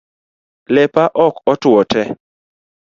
Lepa ok otuo tee